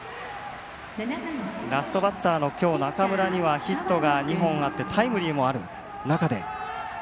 ラストバッターのきょう中村にはヒットが２本あってタイムリーもある中で。